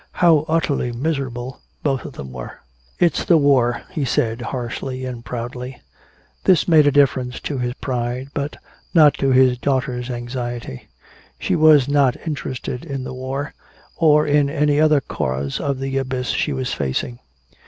How utterly miserable both of them were. "It's the war," he said harshly and proudly. This made a difference to his pride, but not to his daughter's anxiety. She was not interested in the war, or in any other cause of the abyss she was facing.